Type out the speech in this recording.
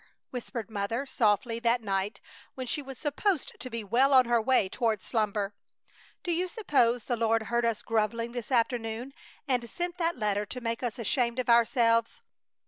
whispered Mother, softly, that night, when she was supposed to be well on her way toward slumber. "Do you suppose the Lord heard us grumbling this afternoon, and sent that letter to make us ashamed of ourselves?"